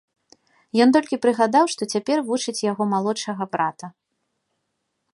Ён толькі прыгадаў, што цяпер вучыць яго малодшага брата.